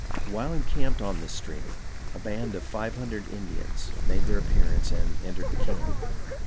While encamped on this stream, a band of five hundred Indians made their appearance and entered the camp.